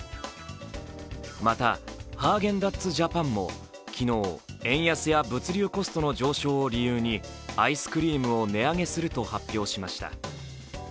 また、ハーゲンダッツジャパンも昨日、円安や物流コストの上昇を理由にアイスクリームを値上げすると発表しました。